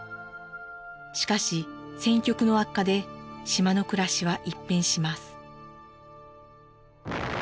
しかし戦局の悪化で島の暮らしは一変します。